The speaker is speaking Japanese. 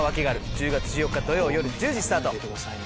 １０月１４日土曜夜１０時スタート。